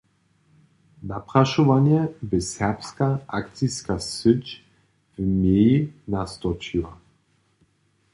Naprašowanje bě Serbska akciska syć w meji nastorčiła.